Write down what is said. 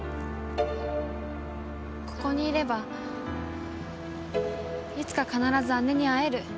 ここにいればいつか必ず姉に会える。